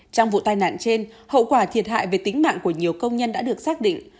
trong vụ tai nạn trên hậu quả thiệt hại về tính mạng của nhiều công nhân đã được xác định